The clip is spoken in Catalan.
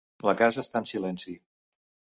La casa està en silenci.